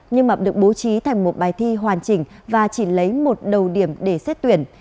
nhưng mà được bố trí thành một bài thi hoàn chỉnh và chỉ lấy một đầu điểm để xét tuyển